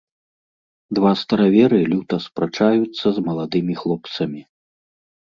Два стараверы люта спрачаюцца з маладымі хлопцамі.